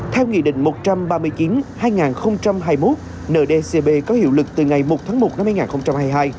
theo nghị định một trăm ba mươi chín hai nghìn hai mươi một ndcp có hiệu lực từ ngày một tháng một năm hai nghìn hai mươi hai